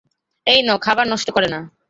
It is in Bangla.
এই নাও খাবার নষ্ট করে না।